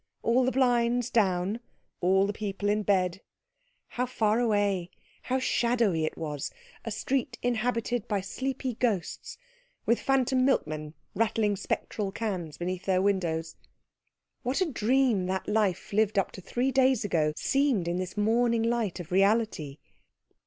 All the blinds down, all the people in bed how far away, how shadowy it was; a street inhabited by sleepy ghosts, with phantom milkmen rattling spectral cans beneath their windows. What a dream that life lived up to three days ago seemed in this morning light of reality.